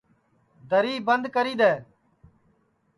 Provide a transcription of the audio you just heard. دری بند کری دؔے